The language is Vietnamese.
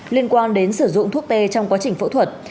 liên quan đến sử dụng thuốc p trong quá trình phẫu thuật